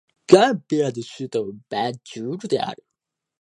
ガンビアの首都はバンジュールである